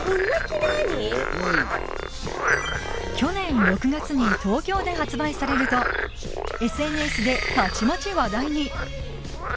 きれいに去年６月に東京で発売されるとＳＮＳでたちまち話題に